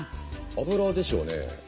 脂でしょうね。